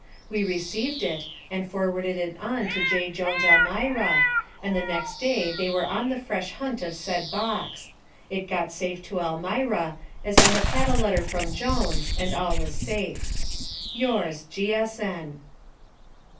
We received it, and forwarded it on to J. Jones, Elmira, and the next day they were on the fresh hunt of said box; it got safe to Elmira, as I have had a letter from Jones, and all is safe. Yours, G.S.N.